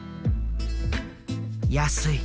「安い。